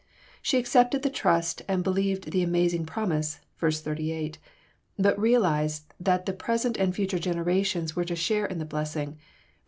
She accepted the trust and believed the amazing promise, (v. 38) but realized that the present and future generations were to share in the blessing (vs.